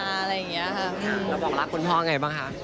อะไรอย่างนี้ค่ะเราบอกรักคุณพ่อไงบ้างคะ